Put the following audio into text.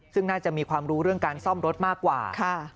ซึ่งน่าจะมีความรู้เรื่องการซ่อมรถมากกว่า